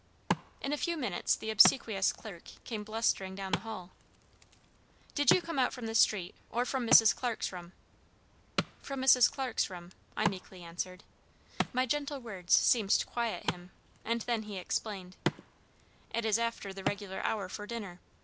In a few minutes the obsequious clerk came blustering down the hall: "Did you come out of the street, or from Mrs. Clarke's room?" "From Mrs. Clarke's room," I meekly answered. My gentle words seemed to quiet him, and then he explained: "It is after the regular hour for dinner.